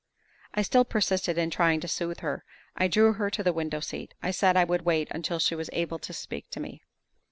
I still persisted in trying to soothe her. I drew her to the window seat. I said I would wait until she was able to speak to me.